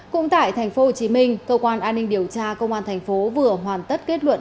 cũng tại tp hcm cơ quan an ninh điều tra công an thành phố vừa hoàn tất kết luận